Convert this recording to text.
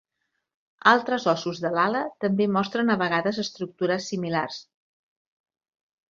Altres ossos de l'ala també mostren a vegades estructures similars.